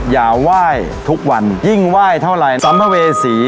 อย่าไหว้ทุกวันยิ่งไหว้เท่าไรสำหรับเวสี